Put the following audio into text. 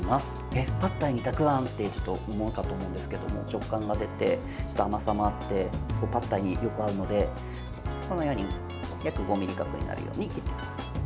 えっ、パッタイにたくあん？って思うかと思うんですけども食感が出て甘さもあってパッタイによく合うのでこのように約５ｍｍ角になるように切ってください。